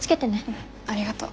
うんありがとう。